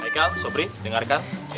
haikal sopri dengarkan